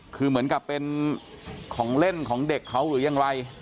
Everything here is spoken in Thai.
คือเหมือนกับเป็นของเล่นของเด็กเขาหรือยังไร